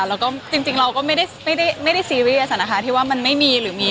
แล้วก็จริงเราก็ไม่ได้ซีเรียสนะคะที่ว่ามันไม่มีหรือมี